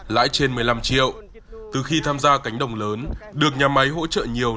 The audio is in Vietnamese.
lãi trên một mươi năm triệu từ khi tham gia cánh đồng lớn được nhà máy hỗ trợ nhiều